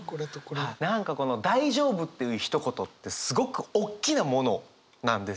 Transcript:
何かこの大丈夫っていうひと言ってすごくおっきなものなんですね。